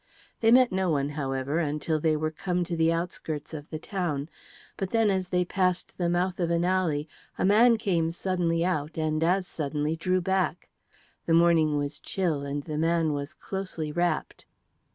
They met no one, however, until they were come to the outskirts of the town. But then as they passed the mouth of an alley a man came suddenly out and as suddenly drew back. The morning was chill, and the man was closely wrapped.